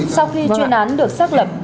sau khi chuyên án được xác lập